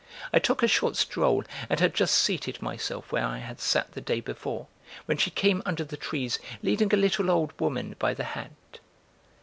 I took a short stroll and had just seated myself where I had sat the day before, when she came under the trees, leading a little old woman by the hand.